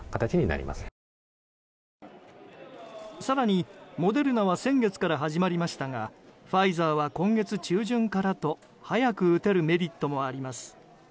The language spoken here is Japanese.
更に、モデルナは先月から始まりましたがファイザーは今月中旬からと早く打てるメリットもあります。